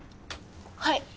はい。